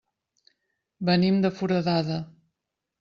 Venim de Foradada.